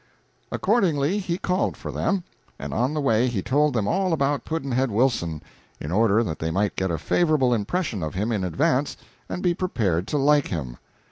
Accordingly he called for them, and on the way he told them all about Pudd'nhead Wilson, in order that they might get a favorable impression of him in advance and be prepared to like him.